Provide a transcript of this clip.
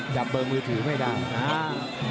จับเปลือมือถือไม่ได้ครับ